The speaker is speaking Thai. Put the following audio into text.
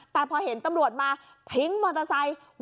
แต่พอเห็นตำรวจมาทิ้งมอเตอร์ไซค์